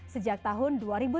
sejak tahun dua ribu sembilan belas